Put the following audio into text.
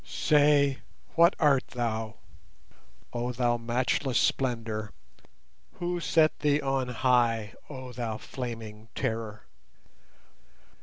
Say, what art Thou, oh Thou matchless Splendour— Who set Thee on high, oh Thou flaming Terror?